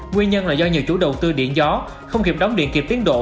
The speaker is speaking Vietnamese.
nguyên nhân là do nhiều chủ đầu tư điện gió không kịp đóng điện kịp tiến độ